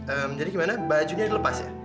ehm jadi gimana bajunya dilepas ya